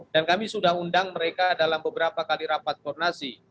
dan kami sudah undang mereka dalam beberapa kali rapat kornasi